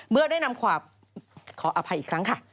เมื่อได้นำความขออภัยอีกครั้งค่ะ